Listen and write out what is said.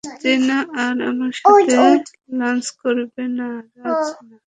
আজ টিনা আর আমার সাথে লাঞ্চ করবে, - না রাজ না।